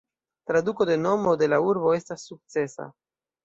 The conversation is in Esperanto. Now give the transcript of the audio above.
Traduko de nomo de la urbo estas "sukcesa".